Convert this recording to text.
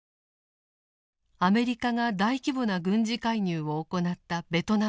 アメリカが大規模な軍事介入を行ったベトナム戦争。